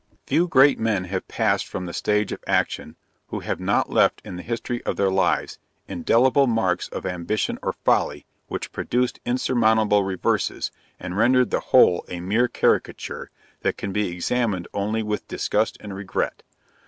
Few great men have passed from the stage of action, who have not left in the history of their lives indelible marks of ambition or folly, which produced insurmountable reverses, and rendered the whole a mere caricature, that can be examined only with disgust and regret.